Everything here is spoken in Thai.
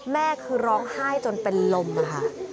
แม่คือร้องไห้จนเป็นลมค่ะ